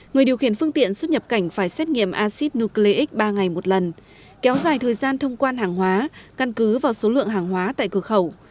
người điều khiển phương tiện xuất nhập cảnh phải xét nghiệm acid nucleic ba ngày một lần kéo dài thời gian thông quan hàng hóa căn cứ vào số lượng hàng hóa tại cửa khẩu